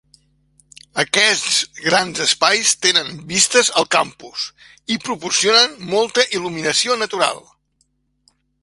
Aquests grans espais tenen vistes al campus, i proporcionen molta il·luminació natural.